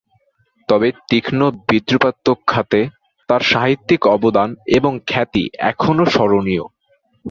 তবে তীক্ষ্ণ বিদ্রুপাত্মক খাতে তার সাহিত্যিক অবদান এবং খ্যাতি এখনও স্মরণীয়।